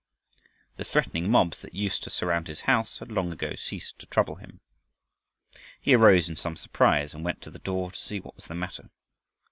The threatening mobs that used to surround his house had long ago ceased to trouble him. He arose in some surprise and went to the door to see what was the matter.